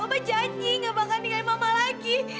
papa janji gak bakal ninggalin mama lagi